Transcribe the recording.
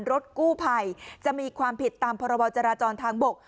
รถกู้ภัยจะมีความผิดตามพรบจราจรทางบก